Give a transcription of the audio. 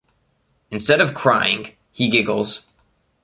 Instead of crying, he giggles.